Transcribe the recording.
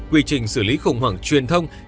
quy trình xử lý khủng hoảng truyền thông